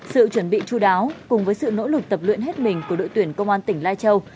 sự chuẩn bị chú đáo cùng với sự nỗ lực tập luyện hết mình của đội tuyển công an tỉnh lai châu